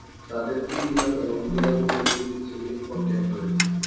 তাদের প্রিমিয়াম এবং বিনামূল্যে দুটি শ্রেণীর কন্টেন্ট রয়েছে।